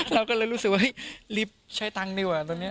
เราก็เลยรู้สึกว่าเฮ้ยรีบใช้ตังค์ดีกว่าตอนนี้